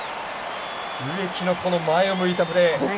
植木の前を向いたプレー。